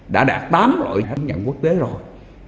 đã đạt tám loại chứng nhận quốc tế rồi